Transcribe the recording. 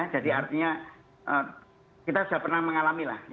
jadi artinya kita sudah pernah mengalami lah